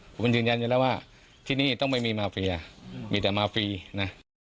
ผมมันยืนยันอยู่แล้วว่าที่นี่ต้องไม่มีมาเฟียมีแต่มาฟรีนะ